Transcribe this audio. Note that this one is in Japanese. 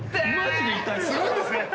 すごいですね。